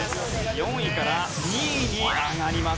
４位から２位に上がります。